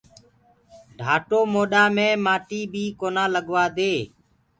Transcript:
ڍآٽو موڏآ مي مآٽيٚ بي ڪونآ لگوآ دي۔